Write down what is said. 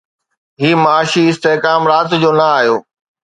هي معاشي استحڪام رات جو نه آيو